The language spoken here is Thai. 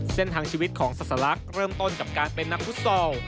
เส้นทางชีวิตของสัสลักษณ์เริ่มต้นกับการเป็นนักฟุตซอล